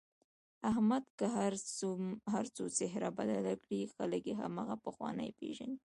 احمد که هرڅو څهره بدله کړي خلک یې هماغه پخوانی پېژني.